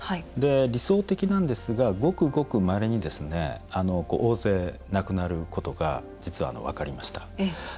理想的なんですがごくごくまれに大勢亡くなることが実は分かりました。